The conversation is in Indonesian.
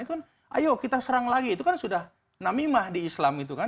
itu kan ayo kita serang lagi itu kan sudah namimah di islam itu kan